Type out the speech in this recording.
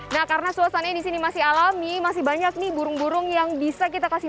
nah karena suasananya di sini masih alami masih banyak nih burung burung yang bisa kita kasih